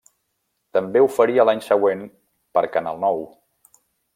També ho faria l'any següent per Canal Nou.